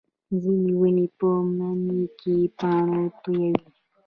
ځینې ونې په مني کې پاڼې تویوي